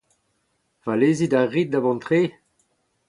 Va lezit a rit da vont tre ?